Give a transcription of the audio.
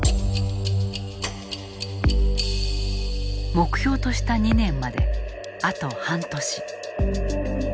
目標とした２年まであと半年。